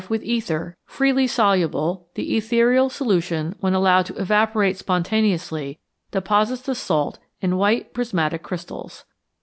With ether Freely soluble; the ethereal solution, when allowed to evaporate spontaneously, deposits the salt in white prismatic crystals.